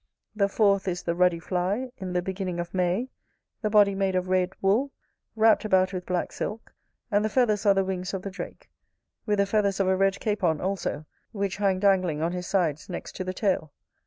The fourth is the ruddy fly, in the beginning of May: the body made of red wool, wrapt about with black silk; and the feathers are the wings of the drake; with the feathers of a red capon also, which hang dangling on his sides next to the tail.